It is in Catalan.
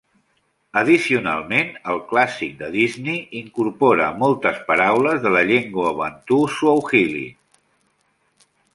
Addicionalment, el clàssic de Disney incorpora moltes paraules de la llengua Bantu Swahili.